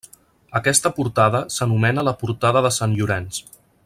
Aquesta portada s'anomena la Portada de Sant Llorenç.